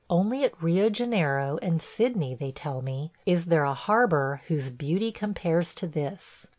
Only at Rio Janeiro and Sydney, they tell me, is there a harbor whose beauty compares to this.